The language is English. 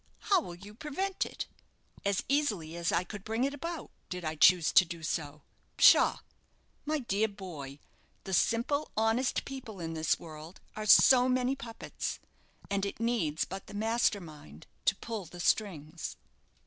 "How will you prevent it?" "As easily as I could bring it about, did I choose to do so. Pshaw! my dear boy, the simple, honest people in this world are so many puppets, and it needs but the master mind to pull the strings."